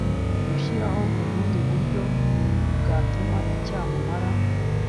gushyiraho ubundi buryo bwatuma icyamunara